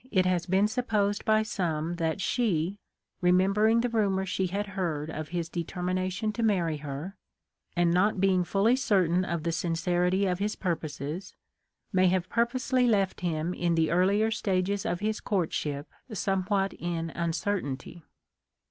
1 47 it has been supposed by some that she, remember ing the rumor she had heard of his determination to marry her, and not being fully certain of the sincerity of his purposes, may have purposely left him in the earlier stages of his courtship somewhat in uncertainty.